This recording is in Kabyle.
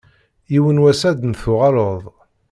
Yiwen n wass ad n-tuɣaleḍ.